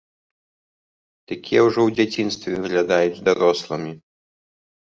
Такія ўжо у дзяцінстве выглядаюць дарослымі.